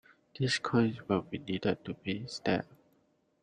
These coins will be needed to pay his debt.